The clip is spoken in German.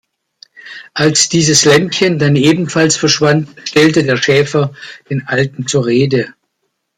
Als dieses Lämmchen dann ebenfalls verschwand, stellte der Schäfer den Alten zur Rede.